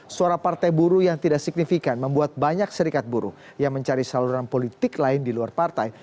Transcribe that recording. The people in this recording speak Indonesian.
suara partai buruh yang tidak signifikan membuat banyak serikat buruh yang mencari saluran politik lain di luar partai